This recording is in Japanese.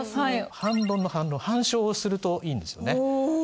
反論の反論反証をするといいんですよね。